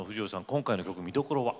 今回の曲、見どころは？